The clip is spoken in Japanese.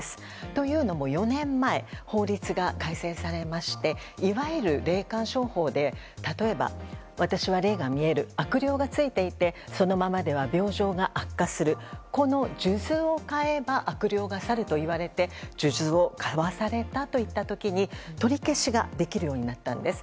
というのも４年前法律が改正されましていわゆる霊感商法で例えば、私は霊が見える悪霊がついていてそのままでは病状が悪化するこの数珠を買えば悪霊が去るといわれて数珠を買わされたといった時に取り消しができるようになったんです。